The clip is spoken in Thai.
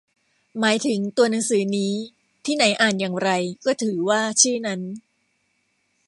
หมายถึงตัวหนังสือนี้ ที่ไหนอ่านอย่างไร ก็ถือว่าชื่อนั้น